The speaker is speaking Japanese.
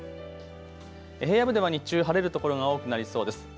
平野部では日中晴れるところが多くなりそうです。